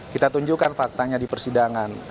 kita tunjukkan faktanya di persidangan